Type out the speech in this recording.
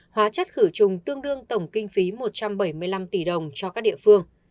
hóa chất khử trùng tương đương tổng kinh phí một trăm bảy mươi năm tỷ đồng cho các địa phương